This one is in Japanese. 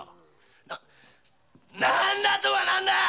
「何だ」とは何だ！